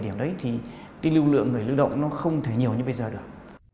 điểm đấy thì cái lưu lượng người lưu động nó không thể nhiều như bây giờ được